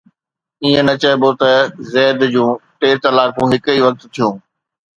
ائين نه چئبو ته زيد جون ٽي طلاقون هڪ ئي وقت ٿيون